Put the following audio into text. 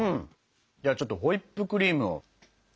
じゃあちょっとホイップクリームを。